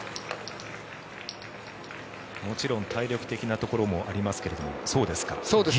もちろん体力的なところもありますが、そうですか。